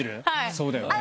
そうだよね。